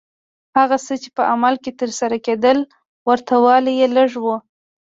هغه څه چې په عمل کې ترسره کېدل ورته والی یې لږ و.